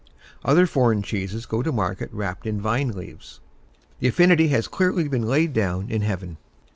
Other foreign cheeses go to market wrapped in vine leaves. The affinity has clearly been laid down in heaven.